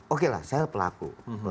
oke lah saya pelaku